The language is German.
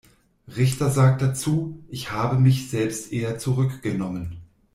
Richter sagt dazu: „Ich habe mich selbst eher zurückgenommen.